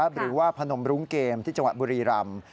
หรือว่าพนมรุ้งเกมที่จังหวัดบุรีรำ